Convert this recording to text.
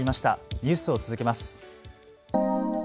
ニュースを続けます。